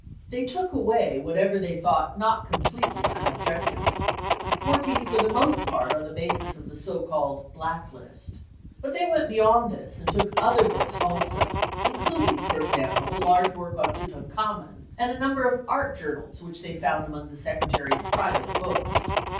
They took away whatever they thought not completely unobjectionable, working for the most part on the basis of the so called ' black list. 9 But they went beyond this, and took other books also, including for example a large work on Tutank hamen and a number of art journals which they found among the secretary's private books.